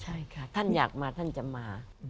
ใช่ค่ะท่านอยากมาท่านจะมา